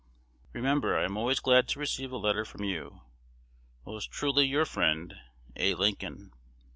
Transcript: Remember I am always glad to receive a letter from you. Most truly your friend, A. Lincoln.